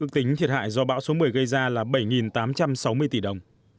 ước tính thiệt hại do bão số một mươi gây ra là bảy tám trăm sáu mươi tỷ đồng